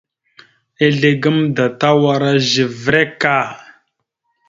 Izle gamnda Tawara givirek a.